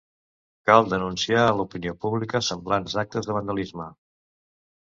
Cal denunciar a l'opinió pública semblants actes de vandalisme.